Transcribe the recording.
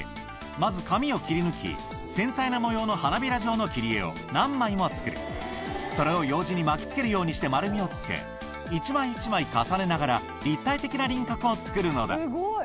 まず紙を切り抜き繊細な模様の花びら状の切り絵を何枚も作るそれをようじに巻きつけるようにして丸みをつけ一枚一枚重ねながら立体的な輪郭を作るのだすごい！